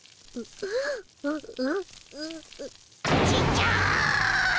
ちっちゃい！